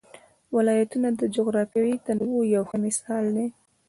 ولایتونه د جغرافیوي تنوع یو ښه مثال دی.